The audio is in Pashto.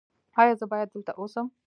ایا زه باید دلته اوسم؟